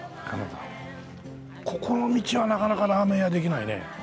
ここの道はなかなかラーメン屋できないね。